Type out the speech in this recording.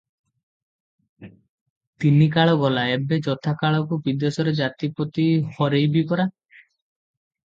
ତିନି କାଳ ଗଲା, ଏବେ ଯଥାକାଳକୁ ବିଦେଶରେ ଜାତିପତି ହରେଇବି ପରା?